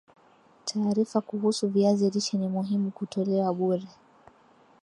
Taarifa kuhusu viazi lishe ni muhimu kutolewa bure